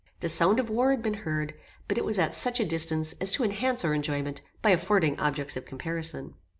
The sound of war had been heard, but it was at such a distance as to enhance our enjoyment by affording objects of comparison.